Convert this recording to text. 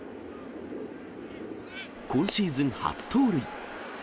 今シーズン初盗塁。